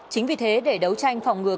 chính vì thế để đấu tranh phòng ngừa